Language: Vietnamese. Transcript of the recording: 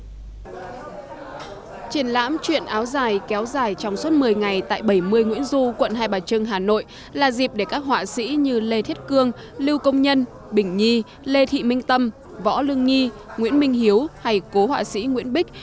triển lãm chuyện áo dài kéo dài trong suốt một mươi ngày tại bảy mươi nguyễn du quận hai bà trưng hà nội là dịp để các họa sĩ như lê thiết cương lưu công nhân bình nhi lê thị minh tâm võ lương nhi nguyễn minh hiếu hay cố họa sĩ nguyễn bích